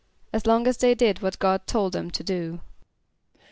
=As long as they did what God told them to do.